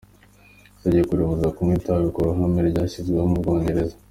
Itegeko ribuza kunywa itabi mu ruhame, ryashyizweho mu Bwongereza.